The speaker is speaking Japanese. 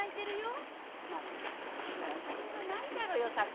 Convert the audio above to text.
なのに昼間から酒はないだろう。